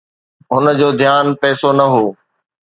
هن جو ڌيان پئسو نه هو